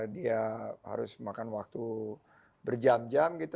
terus berjam jam gitu